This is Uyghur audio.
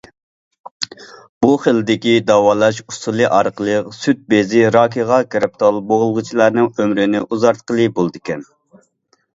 بۇ خىلدىكى داۋالاش ئۇسۇلى ئارقىلىق سۈت بېزى راكىغا گىرىپتار بولغۇچىلارنىڭ ئۆمرىنى ئۇزارتقىلى بولىدىكەن.